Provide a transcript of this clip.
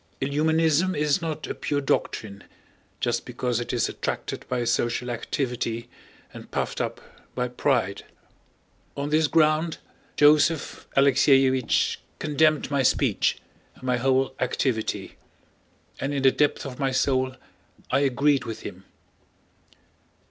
Illuminism is not a pure doctrine, just because it is attracted by social activity and puffed up by pride. On this ground Joseph Alexéevich condemned my speech and my whole activity, and in the depth of my soul I agreed with him.